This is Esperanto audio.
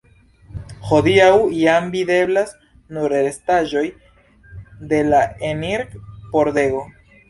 Hodiaŭ jam videblas nur restaĵoj de la enir-pordego.